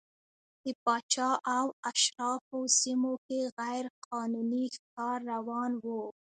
د پاچا او اشرافو سیمو کې غیر قانوني ښکار روان و.